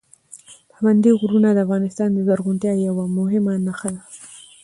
پابندي غرونه د افغانستان د زرغونتیا یوه مهمه نښه ده.